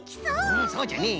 うんそうじゃねえ！